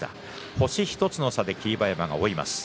星１つの差で霧馬山が追います。